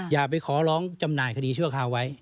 อย่าไปขอร้องจำหน่ายคดีชั่วคราวไว้